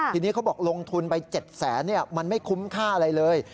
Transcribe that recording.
ทีนี้เขาบอกลงทุนไป๗แสนมันไม่คุ้มค่าอะไรเลย